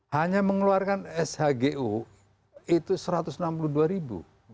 hanya mengeluarkan shgu itu satu ratus enam puluh dua ribu